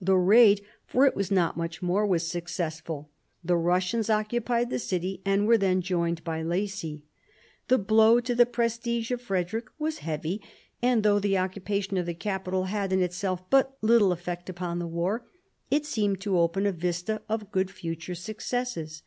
The raid, for it was not much more, was successful ; the Russians occupied the city, and were there joined by Lacy. The blow to the prestige of Frederick was heavy ; and though the occupation of the capital had in itself but little effect upon the war, it seemed to open a vista of great future successes.